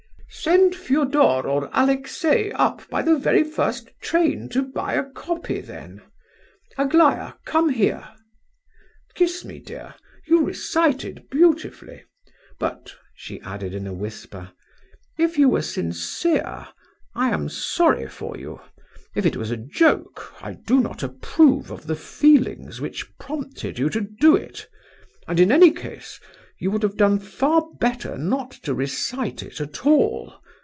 "Send Feodor or Alexey up by the very first train to buy a copy, then.—Aglaya, come here—kiss me, dear, you recited beautifully! but," she added in a whisper, "if you were sincere I am sorry for you. If it was a joke, I do not approve of the feelings which prompted you to do it, and in any case you would have done far better not to recite it at all.